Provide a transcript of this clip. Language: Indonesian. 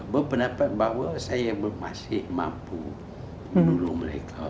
berpendapat bahwa saya masih mampu menolong mereka